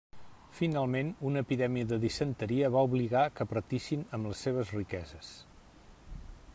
Finalment, una epidèmia de disenteria va obligar que partissin amb les seves riqueses.